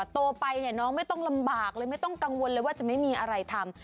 โตไปเนี่ยน้องไม่ต้องลำบากเลยไม่ต้องกังวลเลยว่าจะไม่มีอะไรทำ